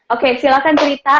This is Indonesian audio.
oke silahkan cerita